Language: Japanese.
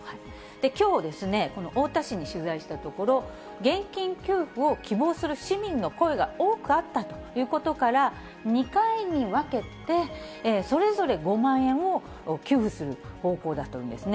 きょう、この太田市に取材したところ、現金給付を希望する市民の声が多くあったということから、２回に分けてそれぞれ５万円を給付する方向だというんですね。